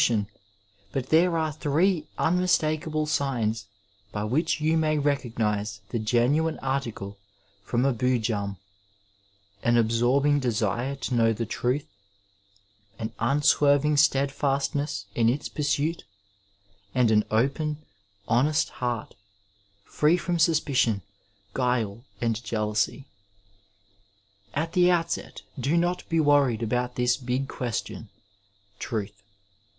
416 Digitized by VjOOQiC THE STUDENT IIPE but there are three unmistakable signs by which yon may recognize the genuine article from a Boojnm — an absorb ing desire to know the truth, an unswerving steadfastness in its pursuit^ and an open, honest heart, free from suspicion, guile, and jealousy. At the outset do not be worried about this big question — ^Truth.